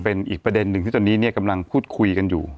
เป็นอีกประเด็นหนึ่งที่ตอนนี้กำลังพูดคุยกันอยู่